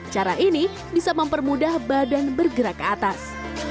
cara ini bisa mempermudah badan bergerak ke atas